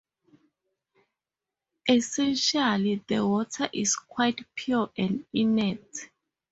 Essentially, the water is quite pure and inert.